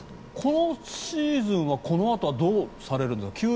このシーズンはこのあとはどうされるんですか？